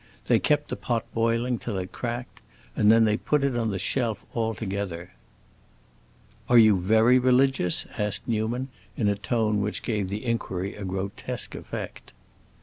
They kept the pot boiling till it cracked, and then they put it on the shelf altogether." "Are you very religious?" asked Newman, in a tone which gave the inquiry a grotesque effect.